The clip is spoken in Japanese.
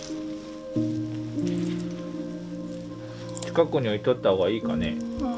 近くに置いとった方がいいかね。